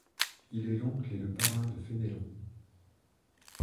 Il est l'oncle et le parrain de Fénelon.